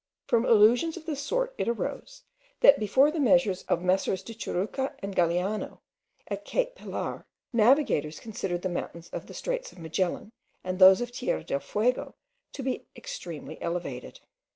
From illusions of this sort it arose, that before the measures of Messrs. de Churruca and Galleano, at Cape Pilar, navigators considered the mountains of the straits of Magellan, and those of Terra del Fuego, to be extremely elevated.